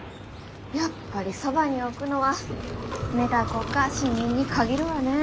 やっぱりそばに置くのは寝た子か死人に限るわね。